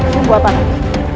rumbu apa lagi